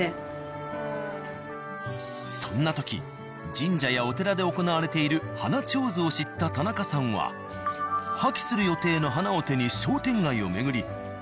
そんな時神社やお寺で行われている花手水を知った田中さんは破棄する予定の花を手に商店街を巡り